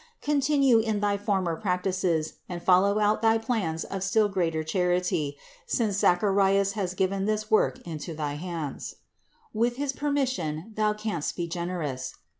Continue in thy former practices and follow out thy plans of still greater charity, since Zachar ias has given this work into thy hands. With his per mission thou canst be generous.